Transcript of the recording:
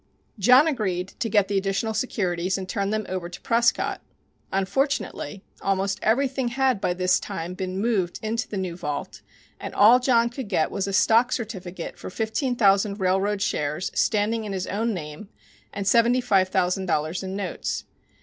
John agreed to get the additional securities and turn them over to Prescott. Unfortunately, almost everything had by this time been moved into the new vault, and all John could get was a stock certificate for fifteen hundred railroad shares, standing in his own name, and seventy five thousand dollars in notes.